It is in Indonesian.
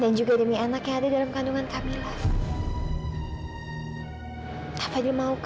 dan juga demi anak yang ada dalam kandungan kamila